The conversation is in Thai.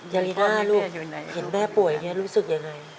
ยาลีว่าลูกเห็นแม่ป่วยอย่างนี้รู้สึกยังไง